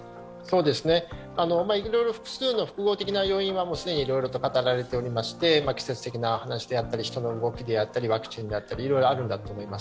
いろいろ複数の複合的な要因は既にいろいろ語られていまして、季節的な話だったり人の動きだったりワクチンだったりいろいろあるんだと思います。